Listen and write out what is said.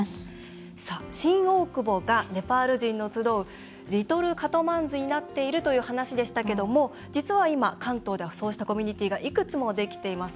新大久保がネパール人の集うリトル・カトマンズになっているという話でしたけども実は今、関東ではそうしたコミュニティーがいくつも、できています。